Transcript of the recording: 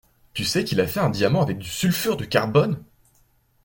Tu sais qu'il a fait un diamant avec du sulfure de carbone?